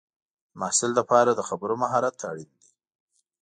د محصل لپاره د خبرو مهارت اړین دی.